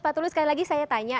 pak tulus sekali lagi saya tanya